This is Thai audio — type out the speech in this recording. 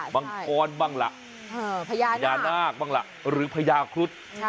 มังกรบ้างล่ะพญานาคบ้างล่ะหรือพญาครุฑ